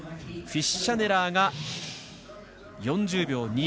フィッシャネラーが４０秒２５。